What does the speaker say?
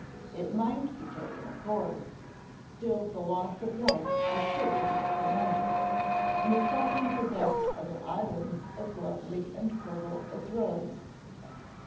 It might be taken, of course; still the loss of life was sure to be tremendous and the Sultan possessed other islands as lovely and fertile as Rhodes.